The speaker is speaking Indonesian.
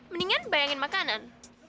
mendingan bayangin makanan